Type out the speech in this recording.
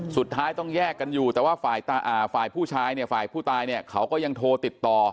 สุดท้ายต้องแยกกันอยู่แต่ว่าฝ่ายผู้ชายเนี่ยฝ่ายผู้ตายเนี่ยเขาก็ยังโทรติดต่อ